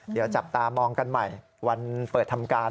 เดี๋ยวจับตามองกันใหม่วันเปิดทำการ